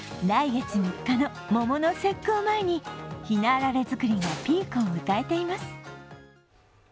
来月３日の桃の節句を前にひなあられ作りがピークを迎えています。